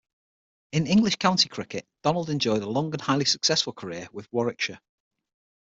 In English county cricket, Donald enjoyed a long and highly successful career with Warwickshire.